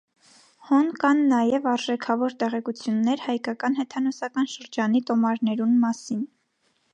Հոն կան նաեւ արժէքաւոր տեղեկութիւններ հայկական հեթանոսական շրջանի տոմարներուն մասին։